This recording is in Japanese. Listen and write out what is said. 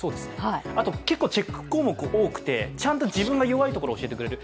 あと、結構チェック項目多くてちゃんと自分の弱いところを教えてくれる。